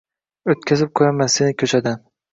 O‘tkazib qo‘yaman seni ko‘chadan.